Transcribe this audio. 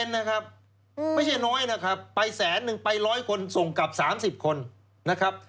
นะครับไม่ใช่น้อยนะครับไปแสนนึงไป๑๐๐คนส่งกลับ๓๐คนนะครับ